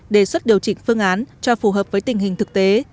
đề xuất điều chỉnh phương án cho phù hợp với tình hình thực tế